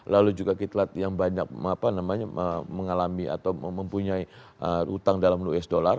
lalu juga kita lihat yang banyak mengalami atau mempunyai utang dalam us dollar